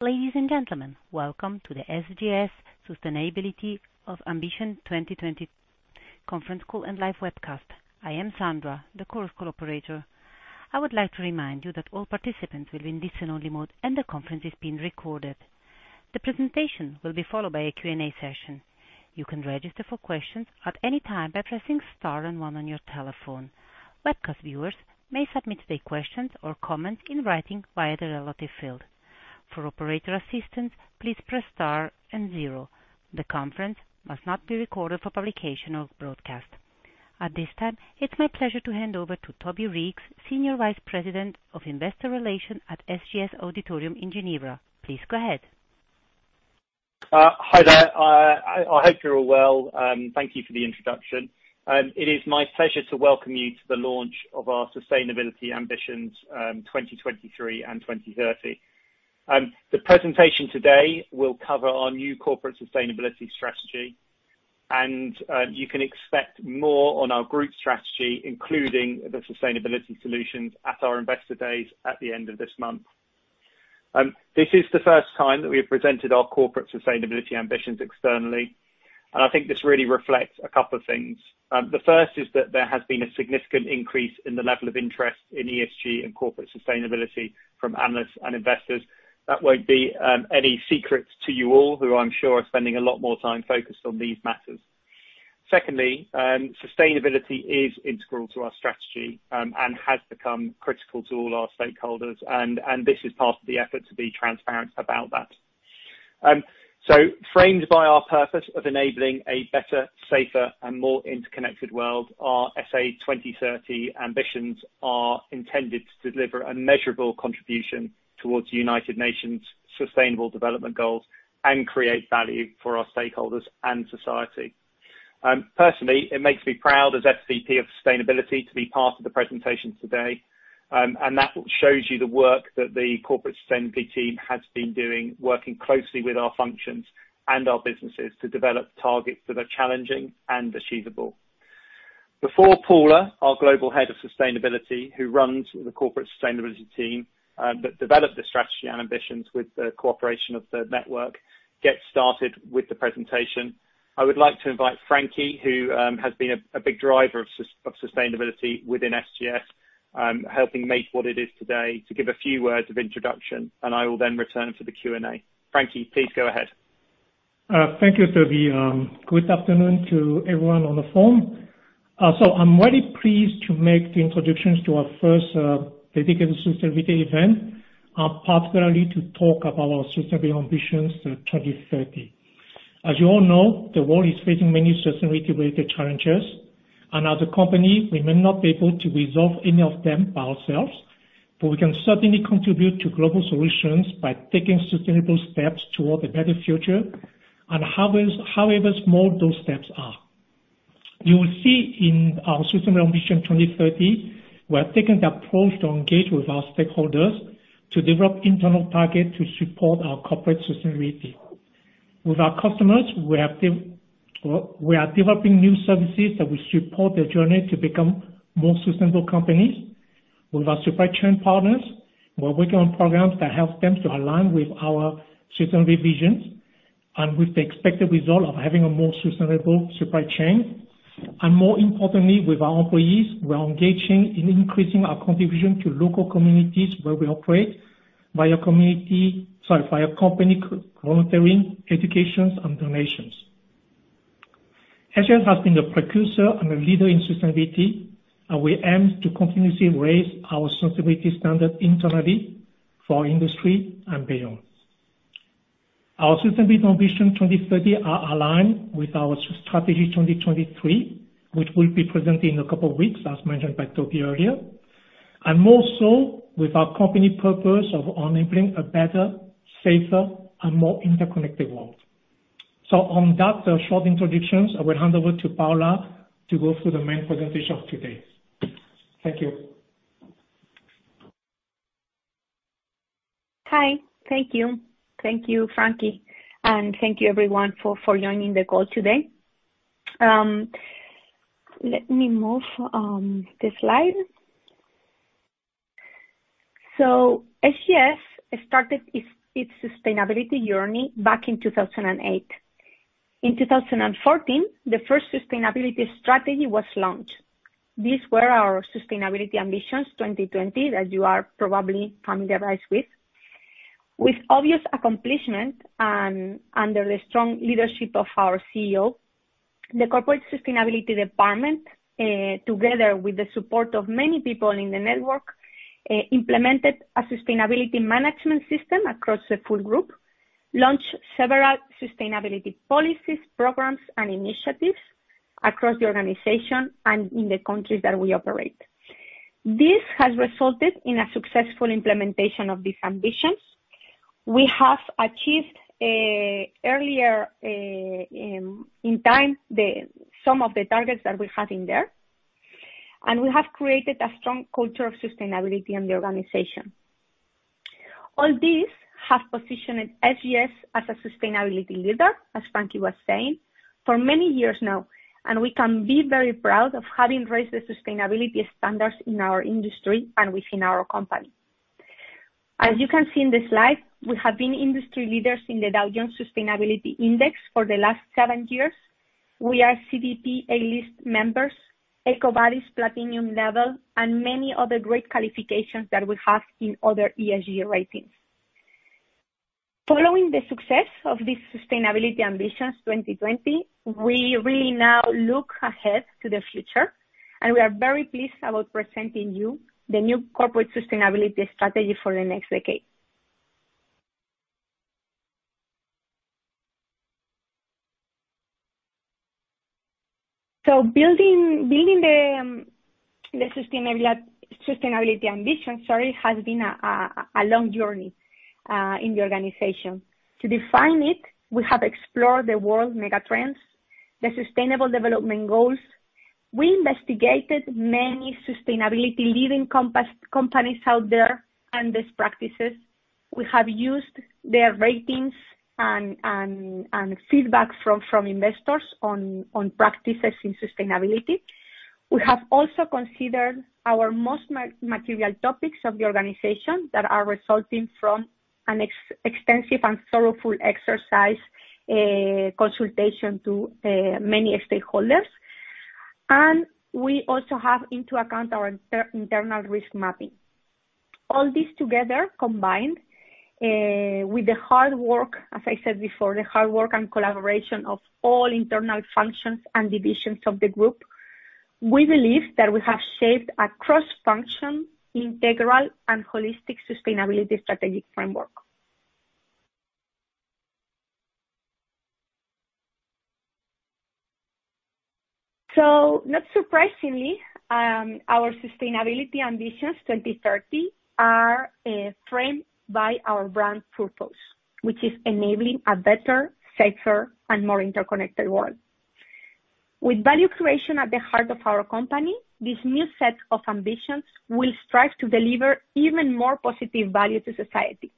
Ladies and gentlemen, welcome to the SGS Sustainability Ambitions 2020 Conference Call and Live webcast. I am Sandra, the conference operator. I would like to remind you that all participants will be in listen-only mode, and the conference is being recorded. The presentation will be followed by a Q&A session. You can register for questions at any time by pressing star and one on your telephone. Webcast viewers may submit their questions or comments in writing via the relevant field. For operator assistance, please press star and zero. The conference must not be recorded for publication or broadcast. At this time, it's my pleasure to hand over to Tobias Reeks, Senior Vice President of Investor Relations at SGS Auditorium in Geneva. Please go ahead. Hi there. I hope you're all well. Thank you for the introduction. It is my pleasure to welcome you to the launch of our Sustainability Ambitions 2023 and 2030. The presentation today will cover our new corporate sustainability strategy, and you can expect more on our group strategy, including the Sustainability Solutions at our investor days at the end of this month. This is the first time that we have presented our corporate sustainability ambitions externally, and I think this really reflects a couple of things. The first is that there has been a significant increase in the level of interest in ESG and corporate sustainability from analysts and investors. That won't be any secret to you all, who I'm sure are spending a lot more time focused on these matters. Secondly, sustainability is integral to our strategy and has become critical to all our stakeholders, and this is part of the effort to be transparent about that. So framed by our purpose of enabling a better, safer, and more interconnected world, our SA 2030 ambitions are intended to deliver a measurable contribution towards the United Nations' Sustainable Development Goals and create value for our stakeholders and society. Personally, it makes me proud as SVP of Sustainability to be part of the presentation today, and that shows you the work that the corporate sustainability team has been doing, working closely with our functions and our businesses to develop targets that are challenging and achievable. Before Paula, our Global Head of Sustainability, who runs the corporate sustainability team that developed the strategy and ambitions with the cooperation of the network, gets started with the presentation, I would like to invite Frankie, who has been a big driver of sustainability within SGS, helping make what it is today, to give a few words of introduction, and I will then return for the Q&A. Frankie, please go ahead. Thank you, Tobias. Good afternoon to everyone on the phone. I'm very pleased to make the introductions to our first dedicated sustainability event, particularly to talk about our Sustainability Ambitions 2030. As you all know, the world is facing many sustainability-related challenges, and as a company, we may not be able to resolve any of them by ourselves, but we can certainly contribute to global solutions by taking sustainable steps toward a better future, however small those steps are. You will see in our Sustainability Ambitions 2030, we have taken the approach to engage with our stakeholders to develop internal targets to support our corporate sustainability. With our customers, we are developing new services that will support their journey to become more sustainable companies. With our supply chain partners, we're working on programs that help them to align with our sustainability visions and with the expected result of having a more sustainable supply chain. And more importantly, with our employees, we are engaging in increasing our contribution to local communities where we operate via community, sorry, via company volunteering, educations, and donations. SGS has been a precursor and a leader in sustainability, and we aim to continuously raise our sustainability standards internally for industry and beyond. Our Sustainability Ambition 2030 is aligned with our Strategy 2023, which will be presented in a couple of weeks, as mentioned by Tobias earlier, and more so with our company purpose of enabling a better, safer, and more interconnected world. So on that short introduction, I will hand over to Paula to go through the main presentation of today. Thank you. Hi. Thank you. Thank you, Frankie, and thank you, everyone, for joining the call today. Let me move the slide. So SGS started its sustainability journey back in 2008. In 2014, the first sustainability strategy was launched. These were our Sustainability Ambitions 2020 that you are probably familiarized with. With obvious accomplishments and under the strong leadership of our CEO, the Corporate Sustainability Department, together with the support of many people in the network, implemented a sustainability management system across the full group, launched several sustainability policies, programs, and initiatives across the organization and in the countries that we operate. This has resulted in a successful implementation of these ambitions. We have achieved earlier in time some of the targets that we had in there, and we have created a strong culture of sustainability in the organization. All these have positioned SGS as a sustainability leader, as Frankie was saying, for many years now, and we can be very proud of having raised the sustainability standards in our industry and within our company. As you can see in the slide, we have been industry leaders in the Dow Jones Sustainability Index for the last seven years. We are CDP A List members, EcoVadis Platinum level, and many other great qualifications that we have in other ESG ratings. Following the success of these Sustainability Ambitions 2020, we really now look ahead to the future, and we are very pleased about presenting you the new Corporate Sustainability Strategy for the next decade. Building the Sustainability Ambitions has been a long journey in the organization. To define it, we have explored the world megatrends, the Sustainable Development Goals. We investigated many sustainability-leading companies out there and best practices. We have used their ratings and feedback from investors on practices in sustainability. We have also considered our most material topics of the organization that are resulting from an extensive and thorough exercise consultation to many stakeholders, and we also have taken into account our internal risk mapping. All this together, combined with the hard work, as I said before, the hard work and collaboration of all internal functions and divisions of the group, we believe that we have shaped a cross-functional, integral, and holistic sustainability strategic framework. Not surprisingly, our Sustainability Ambitions 2030 are framed by our brand purpose, which is enabling a better, safer, and more interconnected world. With value creation at the heart of our company, this new set of ambitions will strive to deliver even more positive value to society.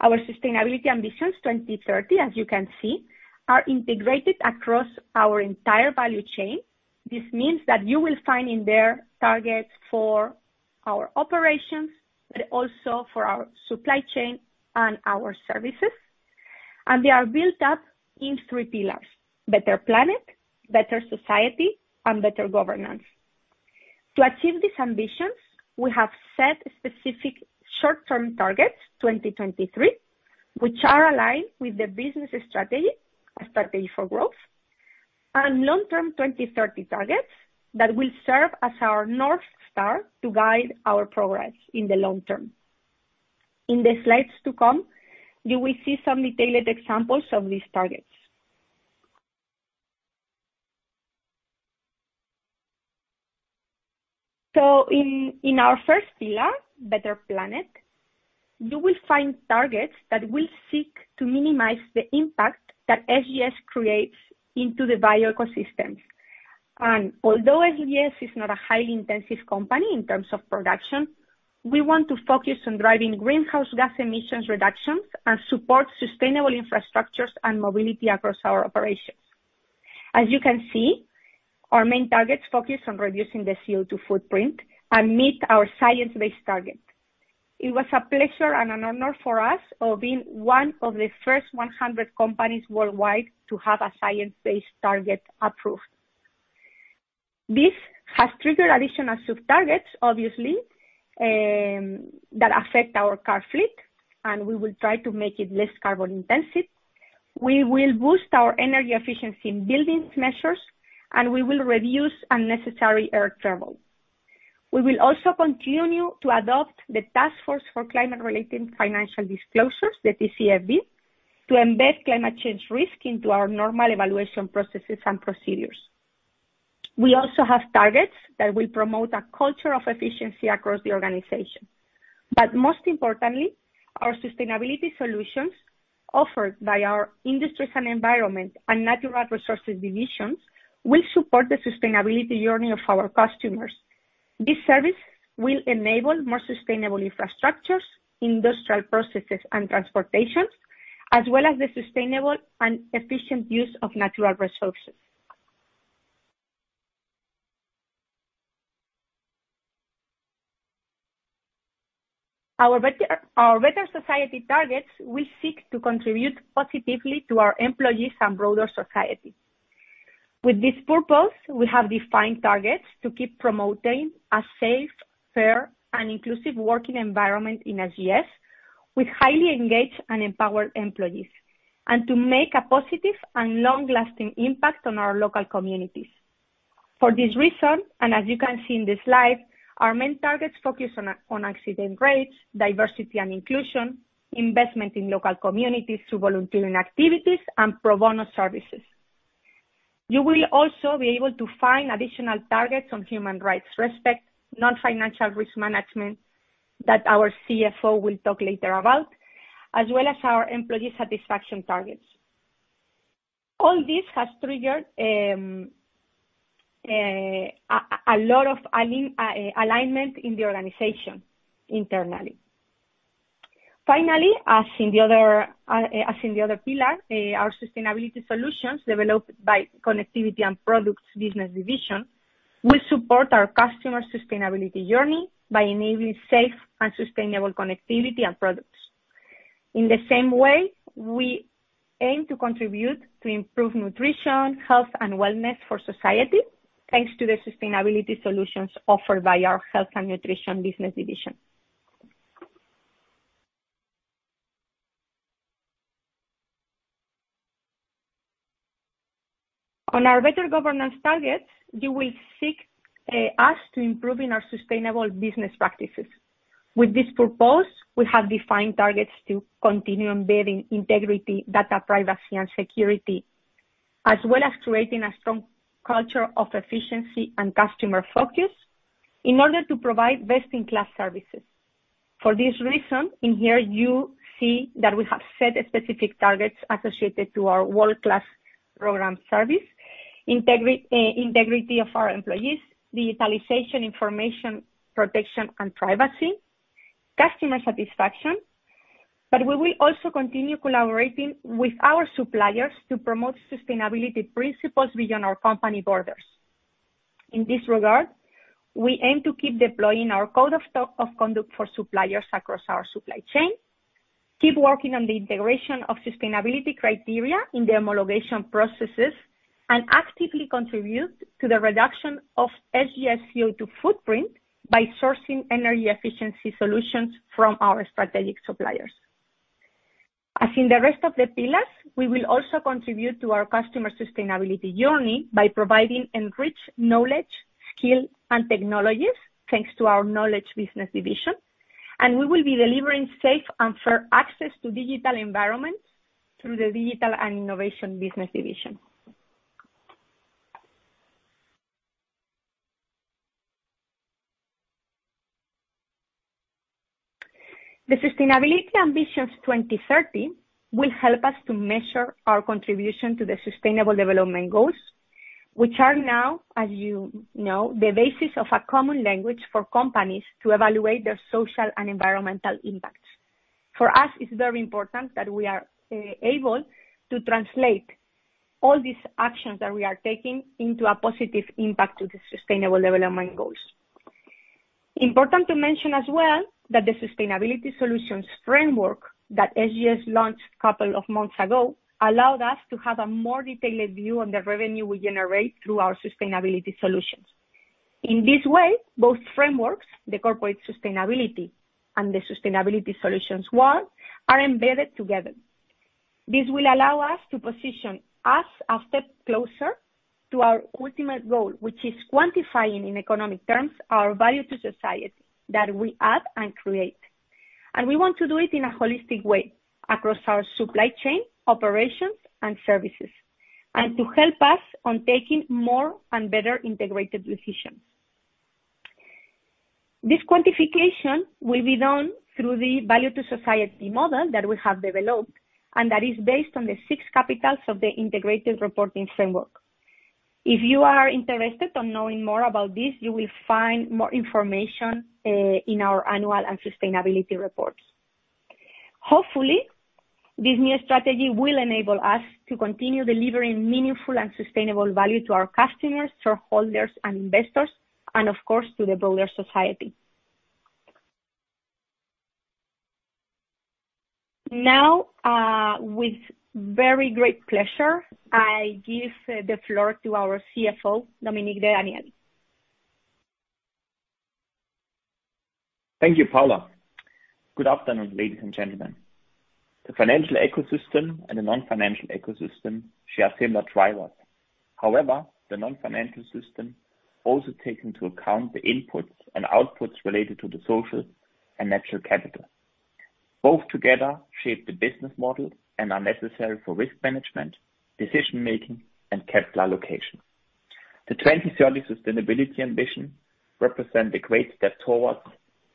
Our Sustainability Ambitions 2030, as you can see, are integrated across our entire value chain. This means that you will find in there targets for our operations, but also for our supply chain and our services. And they are built up in three pillars: Better Planet, Better Society, and Better Governance. To achieve these ambitions, we have set specific short-term targets 2023, which are aligned with the business strategy, a strategy for growth, and long-term 2030 targets that will serve as our North Star to guide our progress in the long term. In the slides to come, you will see some detailed examples of these targets. So in our first pillar, Better Planet, you will find targets that will seek to minimize the impact that SGS creates into the bio-ecosystems. And although SGS is not a highly intensive company in terms of production, we want to focus on driving greenhouse gas emissions reductions and support sustainable infrastructures and mobility across our operations. As you can see, our main targets focus on reducing the CO2 footprint and meet our science-based target. It was a pleasure and an honor for us of being one of the first 100 companies worldwide to have a science-based target approved. This has triggered additional SBT targets, obviously, that affect our car fleet, and we will try to make it less carbon intensive. We will boost our energy efficiency in building measures, and we will reduce unnecessary air travel. We will also continue to adopt the Task Force on Climate-related Financial Disclosures, the TCFD, to embed climate change risk into our normal evaluation processes and procedures. We also have targets that will promote a culture of efficiency across the organization. But most importantly, our Sustainability Solutions offered by our Industries and Environment and Natural Resources divisions will support the sustainability journey of our customers. This service will enable more sustainable infrastructures, industrial processes, and transportation, as well as the sustainable and efficient use of natural resources. Our Better Society targets will seek to contribute positively to our employees and broader society. With this purpose, we have defined targets to keep promoting a safe, fair, and inclusive working environment in SGS with highly engaged and empowered employees, and to make a positive and long-lasting impact on our local communities. For this reason, and as you can see in the slide, our main targets focus on accident rates, diversity and inclusion, investment in local communities through volunteering activities, and pro bono services. You will also be able to find additional targets on human rights respect, non-financial risk management that our CFO will talk later about, as well as our employee satisfaction targets. All this has triggered a lot of alignment in the organization internally. Finally, as in the other pillar, our Sustainability Solutions developed by Connectivity and Products business division will support our customer sustainability journey by enabling safe and sustainable connectivity and products. In the same way, we aim to contribute to improve nutrition, health, and wellness for society thanks to the Sustainability Solutions offered by our Health and Nutrition business division. On our Better Governance targets, you will see us to improve our sustainable business practices. With this purpose, we have defined targets to continue embedding integrity, data privacy, and security, as well as creating a strong culture of efficiency and customer focus in order to provide best-in-class services. For this reason, in here, you see that we have set specific targets associated to our world-class program service, integrity of our employees, digitalization, information protection, and privacy, customer satisfaction. But we will also continue collaborating with our suppliers to promote sustainability principles beyond our company borders. In this regard, we aim to keep deploying our Code of Conduct for suppliers across our supply chain, keep working on the integration of sustainability criteria in the homologation processes, and actively contribute to the reduction of SGS CO2 footprint by sourcing energy efficiency solutions from our strategic suppliers. As in the rest of the pillars, we will also contribute to our customer sustainability journey by providing enriched knowledge, skill, and technologies thanks to our knowledge business division. And we will be delivering safe and fair access to digital environments through the Digital and Innovation business division. The Sustainability Ambitions 2030 will help us to measure our contribution to the Sustainable Development Goals, which are now, as you know, the basis of a common language for companies to evaluate their social and environmental impacts. For us, it's very important that we are able to translate all these actions that we are taking into a positive impact to the Sustainable Development Goals. Important to mention as well that the Sustainability Solutions framework that SGS launched a couple of months ago allowed us to have a more detailed view on the revenue we generate through our Sustainability Solutions. In this way, both frameworks, the Corporate Sustainability and the Sustainability Solutions one, are embedded together. This will allow us to position us a step closer to our ultimate goal, which is quantifying in economic terms our value to society that we add and create. We want to do it in a holistic way across our supply chain, operations, and services, and to help us on taking more and better integrated decisions. This quantification will be done through the Value to Society model that we have developed and that is based on the Six Capitals of the Integrated Reporting Framework. If you are interested in knowing more about this, you will find more information in our annual and sustainability reports. Hopefully, this new strategy will enable us to continue delivering meaningful and sustainable value to our customers, shareholders, and investors, and of course, to the broader society. Now, with very great pleasure, I give the floor to our CFO, Dominik de Daniel. Thank you, Paula. Good afternoon, ladies and gentlemen. The financial ecosystem and the non-financial ecosystem share similar drivers. However, the non-financial system also takes into account the inputs and outputs related to the social and natural capital. Both together shape the business model and are necessary for risk management, decision-making, and capital allocation. The 2030 Sustainability Ambition represents a great step towards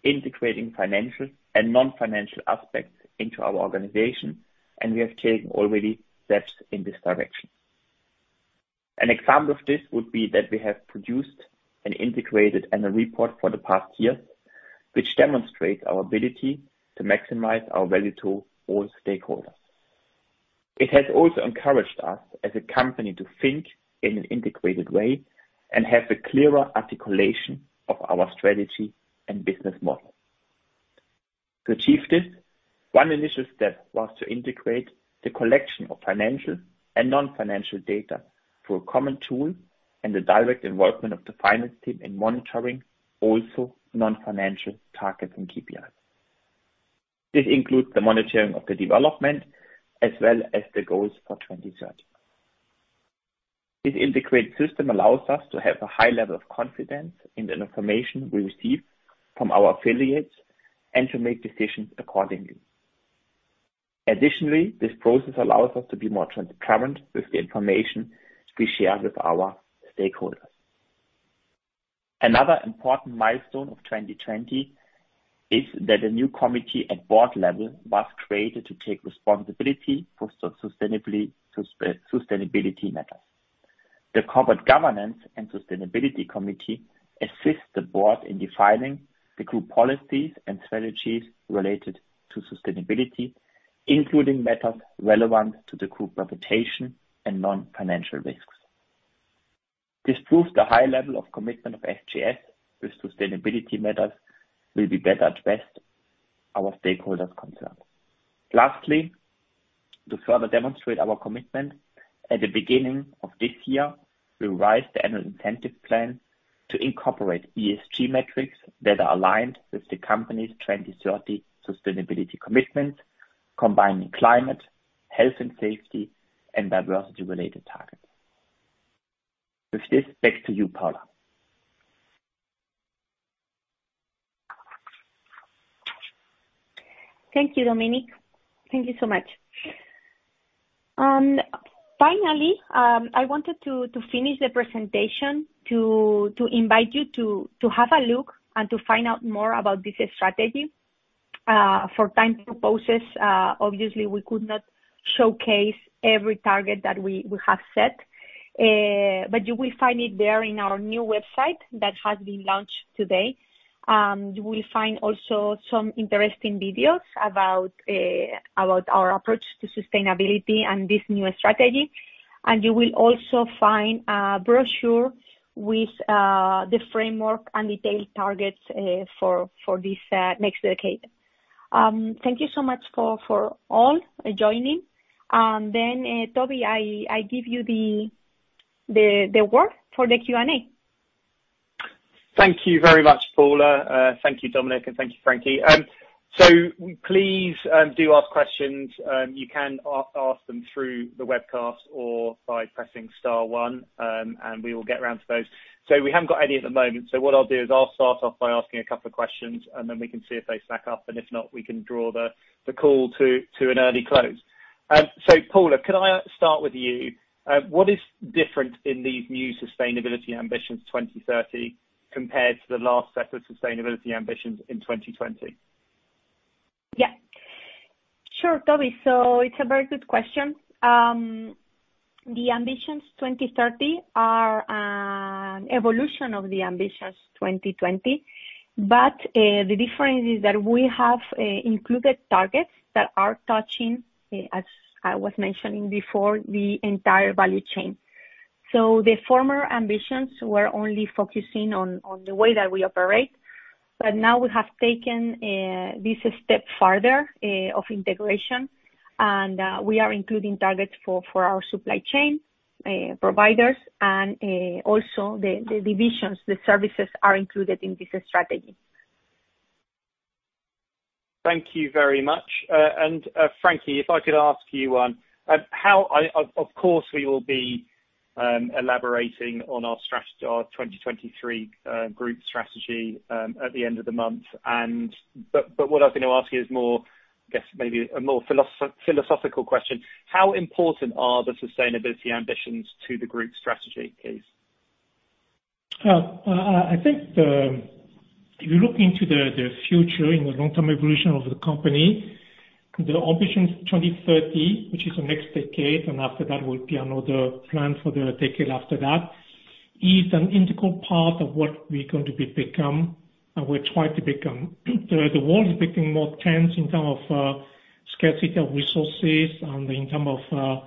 integrating financial and non-financial aspects into our organization, and we have taken already steps in this direction. An example of this would be that we have produced an integrated annual report for the past year, which demonstrates our ability to maximize our value to all stakeholders. It has also encouraged us as a company to think in an integrated way and have a clearer articulation of our strategy and business model. To achieve this, one initial step was to integrate the collection of financial and non-financial data through a common tool and the direct involvement of the finance team in monitoring also non-financial targets and KPIs. This includes the monitoring of the development as well as the goals for 2030. This integrated system allows us to have a high level of confidence in the information we receive from our affiliates and to make decisions accordingly. Additionally, this process allows us to be more transparent with the information we share with our stakeholders. Another important milestone of 2020 is that a new committee at board level was created to take responsibility for sustainability matters. The Corporate Governance and Sustainability Committee assists the board in defining the group policies and strategies related to sustainability, including matters relevant to the group reputation and non-financial risks. This proves the high level of commitment of SGS with sustainability matters will be better addressed our stakeholders' concerns. Lastly, to further demonstrate our commitment, at the beginning of this year, we will raise the Annual Incentive Plan to incorporate ESG metrics that are aligned with the company's 2030 sustainability commitments, combining climate, health and safety, and diversity-related targets. With this, back to you, Paula. Thank you, Dominik. Thank you so much. Finally, I wanted to finish the presentation to invite you to have a look and to find out more about this strategy. For time purposes, obviously, we could not showcase every target that we have set, but you will find it there in our new website that has been launched today. You will find also some interesting videos about our approach to sustainability and this new strategy, and you will also find a brochure with the framework and detailed targets for this next decade. Thank you so much for all joining. And then, Toby, I give you the word for the Q&A. Thank you very much, Paula. Thank you, Dominik, and thank you, Frankie. So please do ask questions. You can ask them through the webcast or by pressing star one, and we will get around to those. So we haven't got any at the moment. So what I'll do is I'll start off by asking a couple of questions, and then we can see if they stack up. And if not, we can draw the call to an early close. So Paula, can I start with you? What is different in these new Sustainability Ambitions 2030 compared to the last set of Sustainability Ambitions in 2020? Yeah. Sure, Toby. So it's a very good question. The Ambitions 2030 are an evolution of the Ambitions 2020, but the difference is that we have included targets that are touching, as I was mentioning before, the entire value chain. So the former Ambitions were only focusing on the way that we operate, but now we have taken this a step further of integration, and we are including targets for our supply chain providers, and also the divisions, the services are included in this strategy. Thank you very much, and Frankie, if I could ask you one, of course, we will be elaborating on our 2023 group strategy at the end of the month, but what I was going to ask you is more, I guess, maybe a more philosophical question. How important are the Sustainability Ambitions to the group strategy, please? I think if you look into the future in the long-term evolution of the company, the Ambitions 2030, which is the next decade, and after that, we'll be on other plans for the decade after that, is an integral part of what we're going to become and we're trying to become. The world is becoming more tense in terms of scarcity of resources and in terms of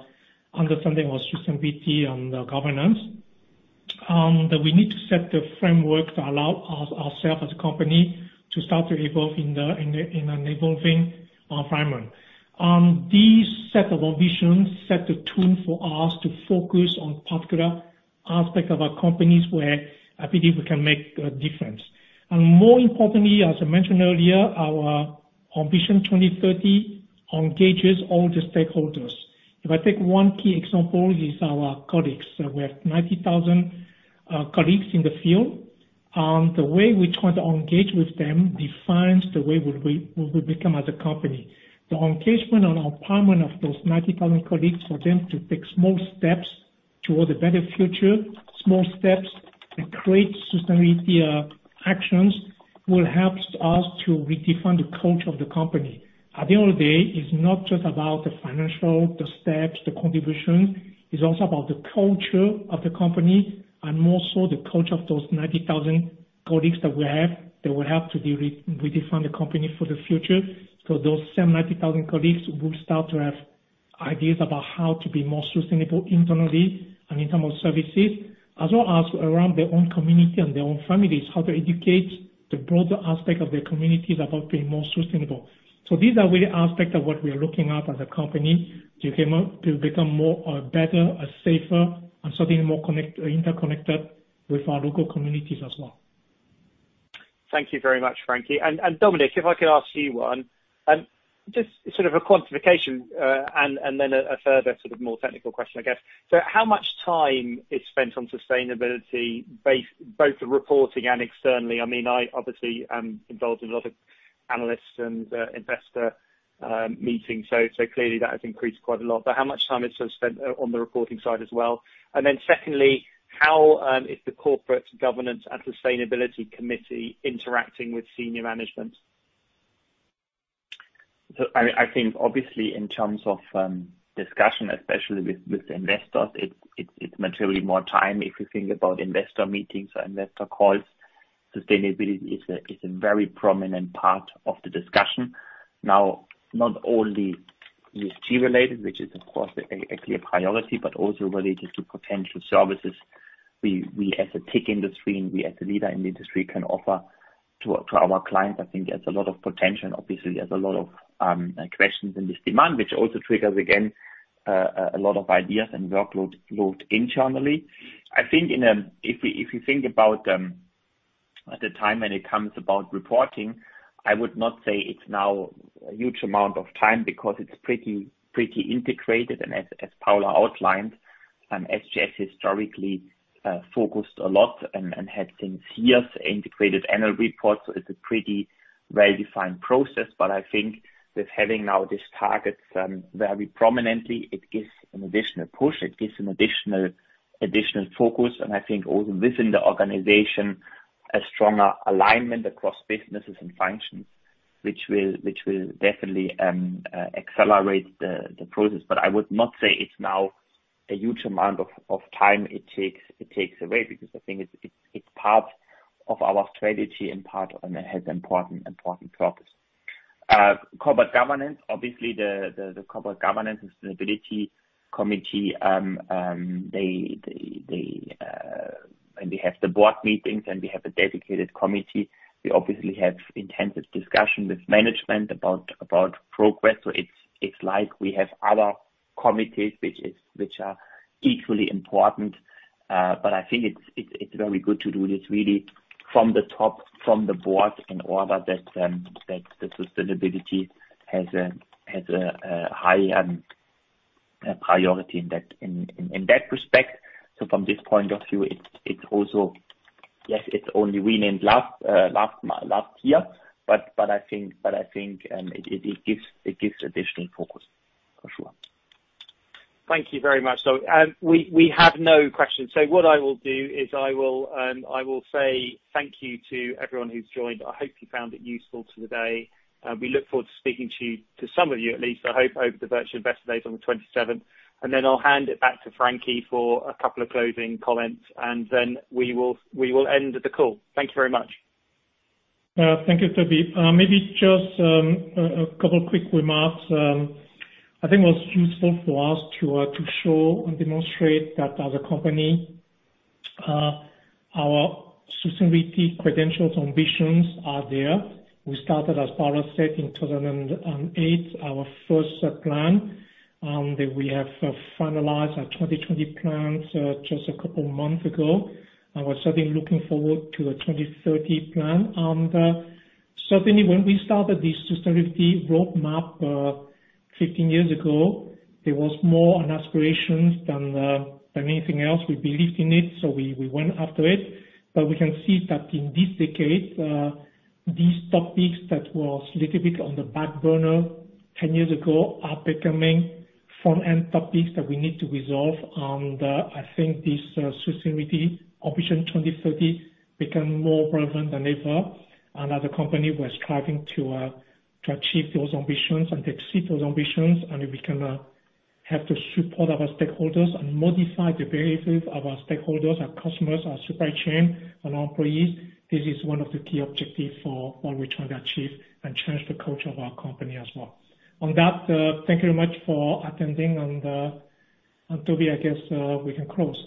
understanding of sustainability and governance, and we need to set the framework to allow ourselves as a company to start to evolve in an evolving environment. This set of ambitions sets the tone for us to focus on particular aspects of our company where I believe we can make a difference, and more importantly, as I mentioned earlier, our Ambition 2030 engages all the stakeholders. If I take one key example, it is our colleagues. We have 90,000 colleagues in the field. The way we try to engage with them defines the way we will become as a company. The engagement and empowerment of those 90,000 colleagues for them to take small steps toward a better future, small steps and create sustainability actions will help us to redefine the culture of the company. At the end of the day, it's not just about the financial, the steps, the contributions. It's also about the culture of the company and more so the culture of those 90,000 colleagues that we have that will help to redefine the company for the future. Those same 90,000 colleagues will start to have ideas about how to be more sustainable internally and in terms of services, as well as around their own community and their own families, how to educate the broader aspect of their communities about being more sustainable. These are really aspects of what we are looking at as a company to become more better, safer, and certainly more interconnected with our local communities as well. Thank you very much, Frankie. And Dominik, if I could ask you one, just sort of a quantification and then a further sort of more technical question, I guess. So how much time is spent on sustainability, both reporting and externally? I mean, I obviously am involved in a lot of analysts and investor meetings, so clearly that has increased quite a lot. But how much time is spent on the reporting side as well? And then secondly, how is the Corporate Governance and Sustainability Committee interacting with senior management? I think obviously in terms of discussion, especially with investors, it's materially more time if you think about investor meetings or investor calls. Sustainability is a very prominent part of the discussion. Now, not only ESG-related, which is, of course, a clear priority, but also related to potential services we as a tech industry and we as a leader in the industry can offer to our clients. I think there's a lot of potential. Obviously, there's a lot of questions in this demand, which also triggers, again, a lot of ideas and workload internally. I think if you think about the time when it comes about reporting, I would not say it's now a huge amount of time because it's pretty integrated, and as Paula outlined, SGS historically focused a lot and had since years integrated annual reports, so it's a pretty well-defined process, but I think with having now these targets very prominently, it gives an additional push. It gives an additional focus. I think also within the organization, a stronger alignment across businesses and functions, which will definitely accelerate the process. I would not say it's now a huge amount of time it takes away because I think it's part of our strategy and part of an important purpose. Corporate Governance, obviously, the Corporate Governance and Sustainability Committee, when we have the board meetings and we have a dedicated committee, we obviously have intensive discussion with management about progress. It's like we have other committees which are equally important. I think it's very good to do this really from the top, from the board, in order that the sustainability has a high priority in that respect. From this point of view, it's also, yes, it's only renamed last year, but I think it gives additional focus, for sure. Thank you very much. We have no questions. So what I will do is I will say thank you to everyone who's joined. I hope you found it useful today. We look forward to speaking to some of you, at least, I hope, over the virtual investor days on the 27th. And then I'll hand it back to Frankie for a couple of closing comments, and then we will end the call. Thank you very much. Thank you, Toby. Maybe just a couple of quick remarks. I think it was useful for us to show and demonstrate that as a company, our sustainability credentials and ambitions are there. We started, as Paula said, in 2008, our first plan. We have finalized our 2020 plan just a couple of months ago. We're certainly looking forward to the 2030 plan. And certainly, when we started this sustainability roadmap 15 years ago, there was more aspirations than anything else. We believed in it, so we went after it, but we can see that in this decade, these topics that were a little bit on the back burner 10 years ago are becoming front-end topics that we need to resolve, and I think this Sustainability Ambition 2030 has become more relevant than ever, and as a company, we're striving to achieve those ambitions and to exceed those ambitions, and we can have the support of our stakeholders and modify the behavior of our stakeholders, our customers, our supply chain, and our employees. This is one of the key objectives for what we're trying to achieve and change the culture of our company as well. On that, thank you very much for attending, and Toby, I guess we can close.